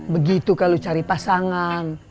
begitu kalau cari pasangan